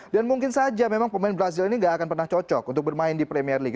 dan mungkin saja memang pemain brazil ini tidak akan pernah cocok untuk bermain di premier league